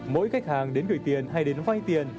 mỗi khách hàng đến gửi tiền hay đến vay tiền